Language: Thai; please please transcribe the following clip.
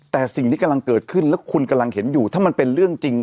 แต่สิ่งที่กำลังเกิดขึ้นแล้วคุณกำลังเห็นอยู่ถ้ามันเป็นเรื่องจริง